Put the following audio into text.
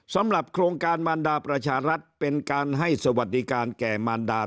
สำหรับโครงการมารดาประชารัฐเป็นการให้สวัสดิการแก่มารดา